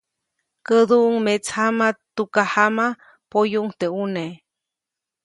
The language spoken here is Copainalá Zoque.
Käduʼuŋ metsjama, tukajama, poyuʼuŋ teʼ ʼune.